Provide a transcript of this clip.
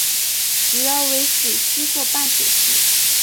主要为水栖或半水栖。